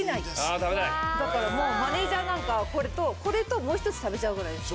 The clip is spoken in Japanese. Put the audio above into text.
・あ食べたい・だからもうマネージャーなんかはこれとこれともう１つ食べちゃうぐらいです。